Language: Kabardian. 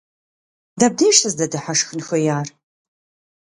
Дэбдеж сыздэдыхьэшхын хуеяр?